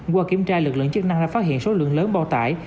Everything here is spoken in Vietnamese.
qua kiểm tra lực lượng chức năng đã phát hiện số lượng lớn bao tải